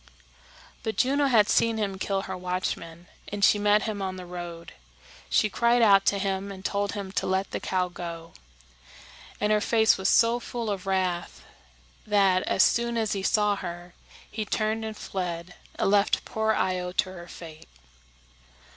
But Juno had seen him kill her watchman, and she met him on the road. She cried out to him and told him to let the cow go; and her face was so full of wrath that, as soon as he saw her, he turned and fled, and left poor Io to her fate.